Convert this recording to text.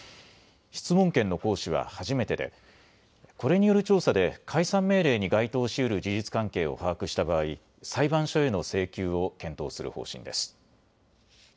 質問権の行使は初めてでこれによる調査で解散命令に該当しうる事実関係を把握した場合、裁判所への請求を検討する方針です。